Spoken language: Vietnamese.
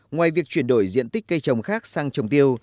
ngoài việc chuyển đổi diện tích cây trồng khác sang trồng tiêu